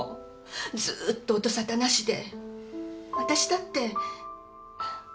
ずーっと音沙汰なしで私だって。